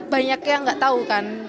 banyak yang gak tau kan